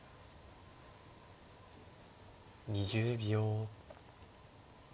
２０秒。